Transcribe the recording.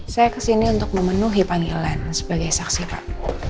saya kesini untuk memenuhi panggilan sebagai saksi pak